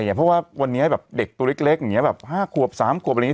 เพราะว่าวันนี้แบบเด็กตัวเล็กอย่างนี้แบบ๕ขวบ๓ขวบอะไรอย่างนี้